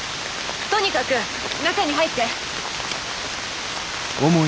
とにかく中に入って。